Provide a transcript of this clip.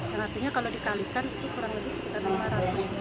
yang artinya kalau dikalikan itu kurang lebih sekitar lima ratus